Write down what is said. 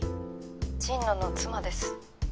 神野の妻です。